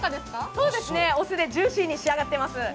そうですね、お酢でジューシーに仕上がってます。